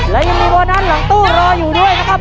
และยังมีโบร์ดอันหลังตู้รออยู่ด้วยนะคะคุณผู้ชม